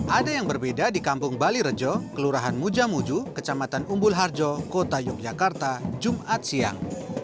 ada yang berbeda di kampung bali rejo kelurahan mujamuju kecamatan umbul harjo kota yogyakarta jumat siang